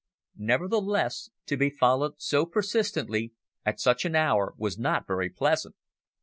Nevertheless, to be followed so persistently at such an hour was not very pleasant.